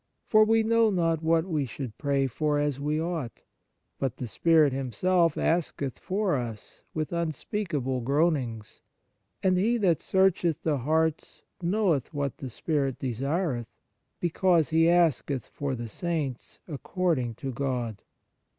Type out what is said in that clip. For we know not what we should pray for as we ought : but the Spirit Himself asketh for us with unspeakable groanings. And He that searcheth the hearts, knoweth what the Spirit desireth ; because He asketh for the saints according to God."